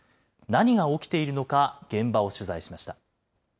何が起きているのか、現場を取材しました。